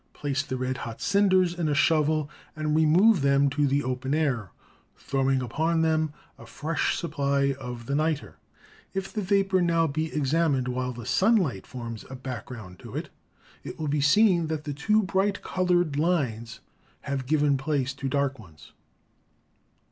Place the red hot cinders in a shovel and remove them to the open air, throwing upon them a fresh supply of the niter. If the vapor now be examined while the sunlight forms a background to it, it will be seen that the two bright colored lines have given place to dark ones.